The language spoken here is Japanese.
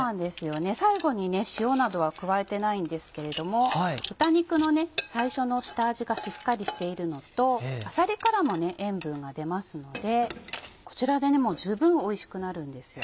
最後に塩などは加えてないんですけれども豚肉の最初の下味がしっかりしているのとあさりからも塩分が出ますのでこちらでもう十分おいしくなるんですよ。